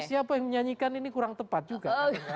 siapa yang menyanyikan ini kurang tepat juga